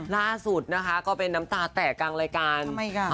ล่าสุดนะคะก็เป็นน้ำตาแตกกลางรายการ